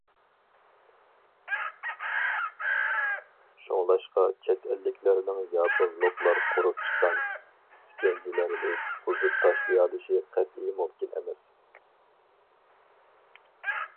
شۇڭلاشقا چەت ئەللىكلەرنىڭ ياپونلۇقلار قۇرۇپ چىققان ئىسكەنجىلەرنى بۇزۇپ تاشلىيالىشى قەتئىي مۇمكىن ئەمەس.